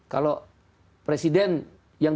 kalau presiden yang